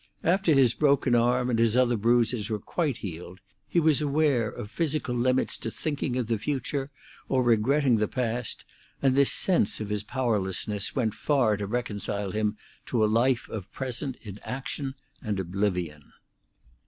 After his broken arm and his other bruises were quite healed, he was aware of physical limits to thinking of the future or regretting the past, and this sense of his powerlessness went far to reconcile him to a life of present inaction and oblivion.